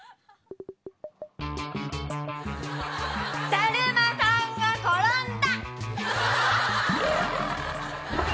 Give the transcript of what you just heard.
だるまさんが転んだ！